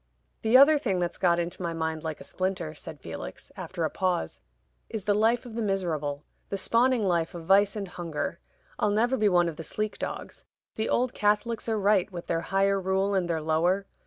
"The other thing that's got into my mind like a splinter," said Felix, after a pause, "is the life of the miserable the spawning life of vice and hunger. I'll never be one of the sleek dogs. The old Catholics are right, with their higher rule and their lower.